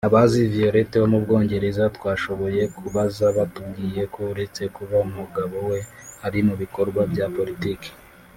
Abazi Violette mu Bwongereza twashoboye kubaza batubwiye ko uretse kuba umugabo we ari mu bikorwa bya Politiki